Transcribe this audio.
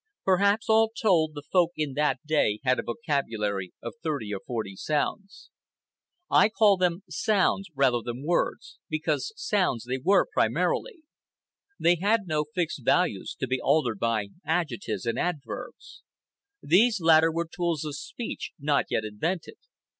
Perhaps, all told, the Folk in that day had a vocabulary of thirty or forty sounds. I call them sounds, rather than words, because sounds they were primarily. They had no fixed values, to be altered by adjectives and adverbs. These latter were tools of speech not yet invented.